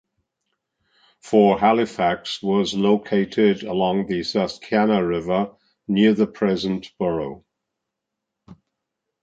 Fort Halifax was located along the Susquehanna River near the present borough.